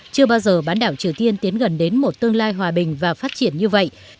chưa bao giờ bán đảo triều tiên tiến gần đến một tương lai hòa bình và phát triển như vậy